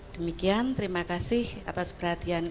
demikian terima kasih atas perhatian